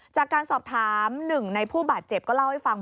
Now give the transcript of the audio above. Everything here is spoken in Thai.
จากการสอบถามหนึ่งในผู้บาดเจ็บก็เล่าให้ฟัง